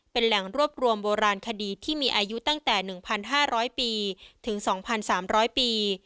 เป็นแหล่งรวบรวมโบราณคดีที่มีอายุตั้งแต่๑๕๐๐ปีถึง๒๓๐๐ปี